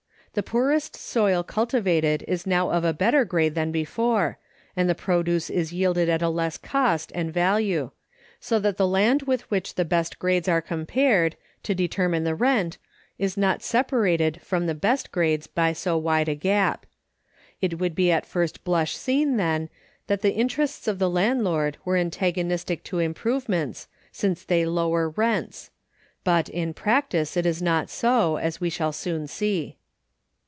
The poorest soil cultivated is now of a better grade than before, and the produce is yielded at a less cost and value; so that the land with which the best grades are compared, to determine the rent, is not separated from the best grades by so wide a gap. It would at first blush seem, then, that the interests of the landlord were antagonistic to improvements, since they lower rents; but, in practice, it is not so, as we shall soon see.